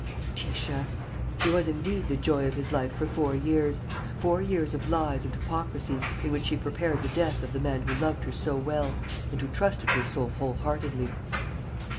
"Letitia! She was indeed the joy of his life for four years, four years of lies and hypocrisy, in which she prepared the death of the man who loved her so well and who trusted her so whole heartedly.